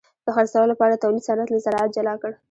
د خرڅلاو لپاره تولید صنعت له زراعت جلا کړ.